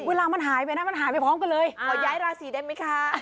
เวลามันหายไปนะมันหายไปพร้อมกันเลยขอย้ายราศีได้ไหมคะ